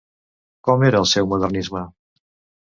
Com era el seu modernisme?